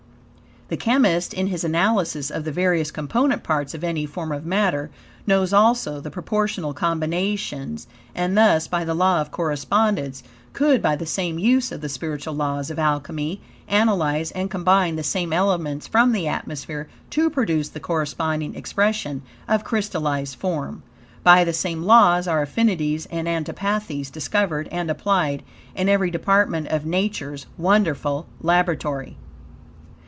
The chemist, in his analysis of the various component parts of any form of matter, knows also the proportional combinations; and thus, by the Law of Correspondence, could, by the same use of the spiritual laws of Alchemy, analyze and combine the same elements from the atmosphere, to produce the corresponding expression of crystallized form. By the same laws, are affinities and antipathies discovered and applied, in every department of Nature's wonderful laboratory.